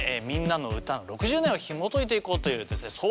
「みんなのうた」の６０年をひもといていこうというですね